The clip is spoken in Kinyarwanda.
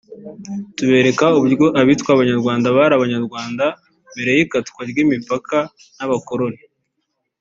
tubereka uburyo abitwa Abanyarwanda bari Abanyarwanda mbere y’ikatwa ry’imipaka n’abakoroni